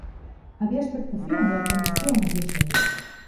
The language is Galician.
Había expectación e ata emoción nos viaxeiros.